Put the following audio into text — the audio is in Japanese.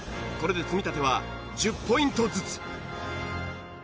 これで積み立ては１０ポイントずつ。